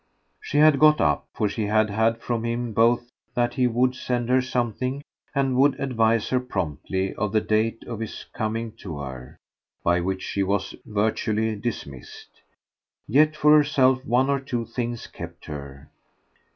She had got up, for she had had from him both that he would send her something and would advise her promptly of the date of his coming to her, by which she was virtually dismissed. Yet for herself one or two things kept her.